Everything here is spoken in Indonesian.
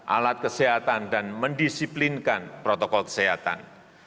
alat kesehatan dan mendisiplinkan protokol kesehatan